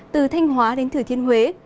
từ thanh hóa đến thừa thiên huế